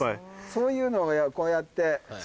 そういうのをこうやって。